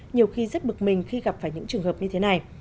nhiều khi rất bực mình khi gặp phải những trường hợp như thế này